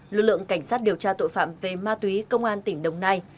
lực lượng cảnh sát điều tra tội phạm về ma túy công an tỉnh đồng nai